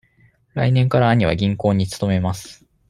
来年から兄は銀行に勤めます。